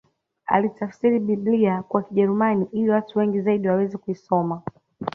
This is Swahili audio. Alitafsiri Biblia kwa Kijerumani ili watu wengi zaidi waweze kuisoma